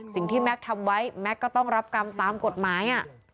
สิ่งที่แม็กซ์ทำไว้แม็กซ์ก็ต้องตามกฎหมาย